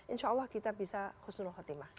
insya allah kita bisa khusnul khotimah